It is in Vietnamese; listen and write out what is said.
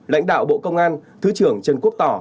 lãnh đạo bộ công an thứ trưởng trần quốc tỏ